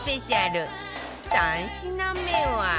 ３品目は